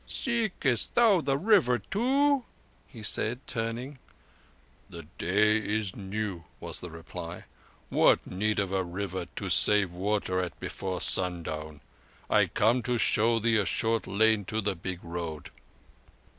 "Seekest thou the River also?" said he, turning. "The day is new," was the reply. "What need of a river save to water at before sundown? I come to show thee a short lane to the Big Road."